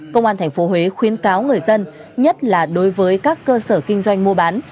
công an thành phố huế khuyên cáo người dân nhất là đối với các cơ sở kinh doanh mua bán